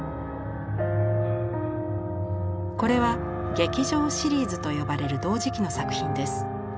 これは「劇場」シリーズと呼ばれる同時期の作品です。